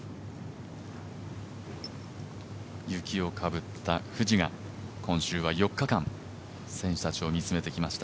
雪をかぶった富士が今週は４日間選手たちを見つめてきました。